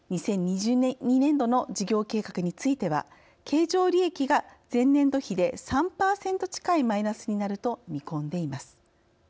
２０２２年度の事業計画については経常利益が前年度比で３％近いマイナスになると見込んでいます。